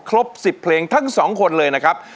ครบ๑๐เพลงทั้งสองคนเลยนะครับ